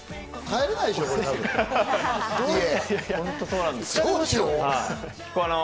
帰れないでしょ、家。